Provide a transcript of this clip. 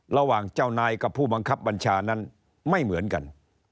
ระหว่างเจ้านายกับผู้บังคับบัญชานั้นไม่เหมือนกัน